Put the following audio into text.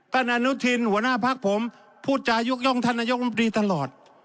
อนุทินหัวหน้าพักผมพูดจายกย่องท่านนายกรมตรีตลอด